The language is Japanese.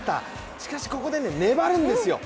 しかしここで粘るんですよ。